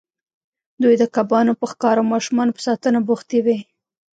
دوی د کبانو په ښکار او ماشومانو په ساتنه بوختې وې.